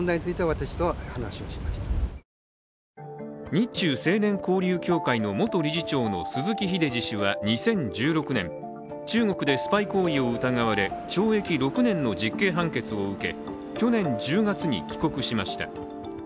日中青年交流協会の元理事長の鈴木英司氏は２０１６年、中国でスパイ行為を疑われ懲役６年の実刑判決を受け去年１０月に帰国しました。